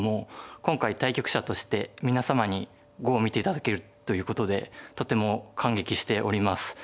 今回対局者として皆様に碁を見て頂けるということでとても感激しております。